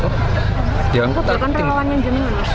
pokoknya kan relawannya jenangan mas